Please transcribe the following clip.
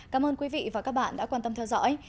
cảm ơn quý vị và các bạn đã quan tâm theo dõi